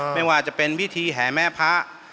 ไม่ว่าจะเป็นพิธีแห่แม่พระ